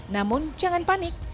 namun jangan panik